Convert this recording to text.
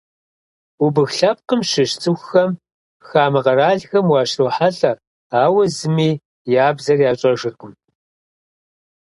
Убых лъэпкъым щыщ цӏыхухэм хамэ къэралхэм уащрохьэлӏэ, ауэ зыми я бзэр ящӏэжыркъым.